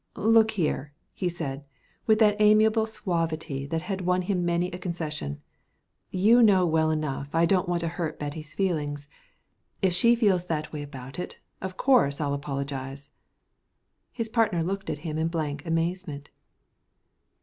"Look here," he said, with that amiable suavity that had won him many a concession, "you know well enough I don't want to hurt Betty's feelings. If she feels that way about it, of course I'll apologize." His partner looked at him in blank amazement.